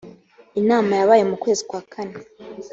inama yabaye mu kwezi kwa kane